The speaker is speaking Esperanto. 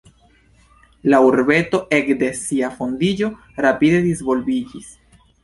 La urbeto ekde sia fondiĝo rapide disvolviĝis.